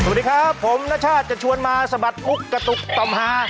สวัสดีครับผมนชาติจะชวนมาสะบัดมุกกระตุกต่อมหา